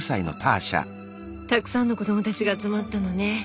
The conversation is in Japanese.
たくさんの子供たちが集まったのね。